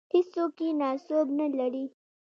هېڅوک یې ناسوب نه لري.